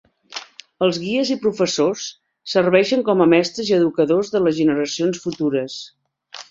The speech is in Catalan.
Els guies i professors serveixen com a mestres i educadors de les generacions futures.